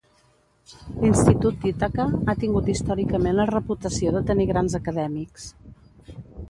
L'Institut d'Ithaca ha tingut històricament la reputació de tenir grans acadèmics.